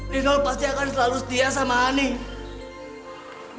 lino pasti akan selalu setia sama honey